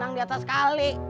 senang di atas kali